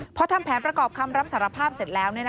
พอทำแผนประกอบคำรับสารภาพเสร็จแล้ว